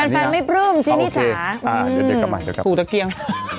แฟนไม่ปลื้มจีนี่จ๋าอ่าเดี๋ยวเดี๋ยวกลับมาเดี๋ยวกันครับดูตะเกี๊ยง